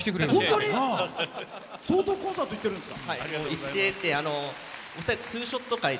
相当コンサート行ってるんですか？